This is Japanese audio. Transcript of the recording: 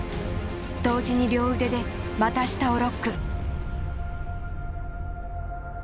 同時に両腕で股下をロック。